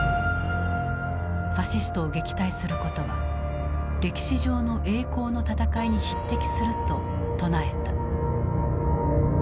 ファシストを撃退することは歴史上の栄光の戦いに匹敵すると唱えた。